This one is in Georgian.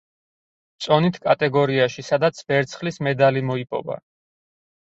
წონით კატეგორიაში, სადაც ვერცხლის მედალი მოიპოვა.